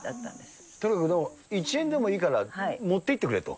だけども、１円でもいいから持っていってくれと。